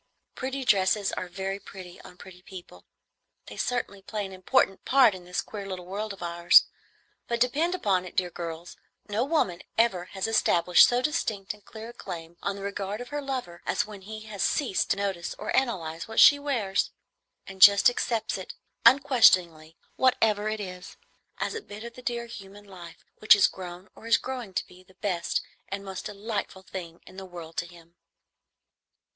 Pretty dresses are very pretty on pretty people, they certainly play an important part in this queer little world of ours; but depend upon it, dear girls, no woman ever has established so distinct and clear a claim on the regard of her lover as when he has ceased to notice or analyze what she wears, and just accepts it unquestioningly, whatever it is, as a bit of the dear human life which has grown or is growing to be the best and most delightful thing in the world to him.